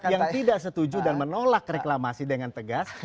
yang tidak setuju dan menolak reklamasi dengan tegas